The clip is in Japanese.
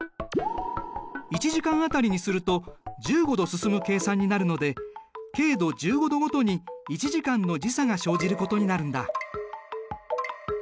１時間当たりにすると１５度進む計算になるので経度１５度ごとに１時間の時差が生じることになるんだ。